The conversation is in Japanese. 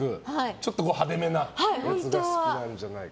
派手めなやつが好きなんじゃないか。